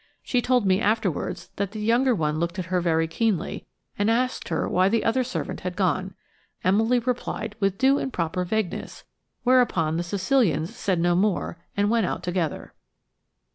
She told me afterwards that the younger one looked at her very keenly, and asked her why the other servant had gone. Emily replied with due and proper vagueness, whereupon the Sicilians said no more and went out together.